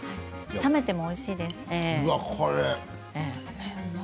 冷めてもおいしいです。